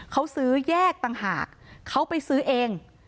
เขาซื้อแยกต่างหากเขาไปซื้อเอง